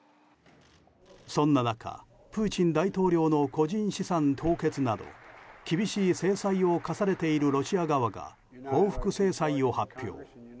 そんな中、プーチン大統領の個人資産凍結など厳しい制裁を科されているロシア側が報復制裁を発表。